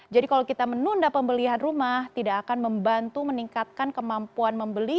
jadi kalau kita menunda pembelian rumah tidak akan membantu meningkatkan kemampuan membeli